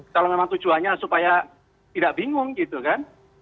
kalau memang tujuannya supaya tidak bingung gitu kan